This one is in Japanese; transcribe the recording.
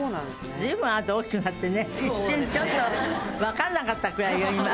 ずいぶん、あなた大きくなってね、一瞬ちょっと、分かんなかったくらいよ、今。